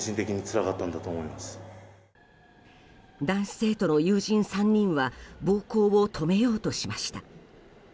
男子生徒の友人３人は暴行を止めようとしました。